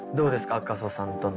赤楚さんとの。